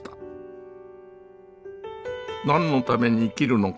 何のために生きるのか。